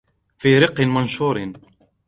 فِي رَقٍّ مَنْشُورٍ